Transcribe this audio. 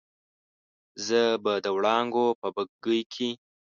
زه به د وړانګو په بګۍ کې